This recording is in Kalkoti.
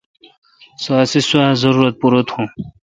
سو اسی سوا زارورت پورہ تھو۔